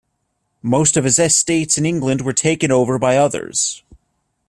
Most of his estates in England were taken over by others.